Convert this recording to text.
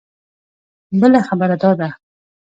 بله خبره دا ده.